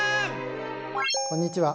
こんにちは。